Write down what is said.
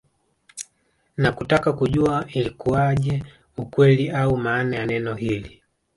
Na kutaka kujua ilikuaje ukweli au maana ya neno hili